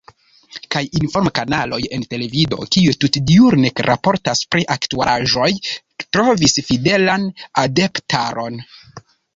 Kaj inform-kanaloj en televido, kiuj tutdiurne raportas pri aktualaĵoj, trovis fidelan adeptaron.